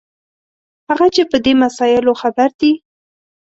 هغه چې په دې مسایلو خبر دي.